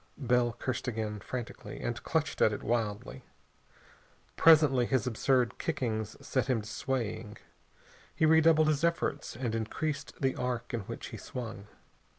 Bell cursed again, frantically, and clutched at it wildly. Presently his absurd kickings set him to swaying. He redoubled his efforts and increased the arc in which he swung.